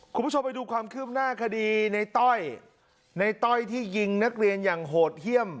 คุณผู้ชมไปดูความคืบหน้าคดีในต้อยในต้อยที่ยิงนักเรียนอย่างโหดเยี่ยม